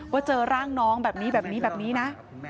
ว่าเจอร่างน้องแบบนี้แบบนี้แบบนี้นะ